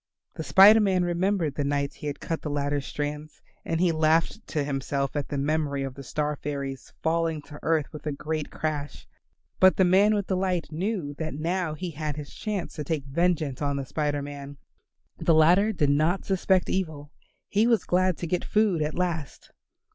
The Spider Man remembered the nights he had cut the ladder strands, and he laughed to himself at the memory of the star fairies falling to earth with a great crash. But the man with the light knew that now he had his chance to take vengeance on the Spider Man. The latter did not suspect evil. He was glad to get food at last.